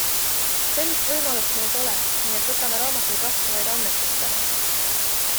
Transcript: Sellist võimalust meil pole, nii et võtame raamatuid vastu vaid annetustena.